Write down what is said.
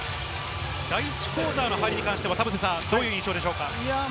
第１クオーターの入りに関して田臥さん、どういう印象ですか？